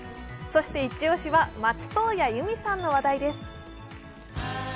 そしてイチ押しは、松任谷由実さんの話題です。